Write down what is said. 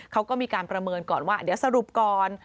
เขาก็มีการประเมินก่อนว่าเดี๋ยวสรุปก่อน